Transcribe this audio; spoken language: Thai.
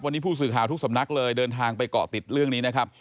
วันนี้ผู้สื่อข่าวทุกสำนักเลยเดินทางไปเกาะติดเรื่องนี้นะครับ